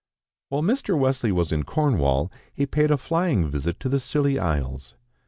While Mr. Wesley was in Cornwall he paid a flying visit to the Scilly Isles.